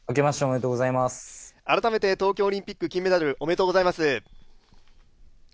改めて東京オリンピック金メダル、おめでとうございます。